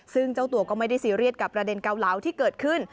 ซึ่งเจ้าตัวก็ไม่ได้ซีเรียสกับประเด็นเกาเหลาที่เกิดขึ้น